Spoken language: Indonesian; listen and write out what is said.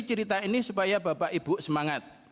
cerita ini supaya bapak ibu semangat